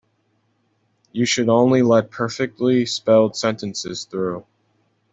You should only let perfectly spelled sentences through.